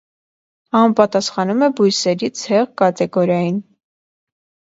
Համապատասխանում է բույսերի ցեղ կատեգորիային։